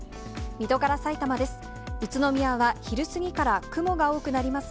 水戸からさいたまです。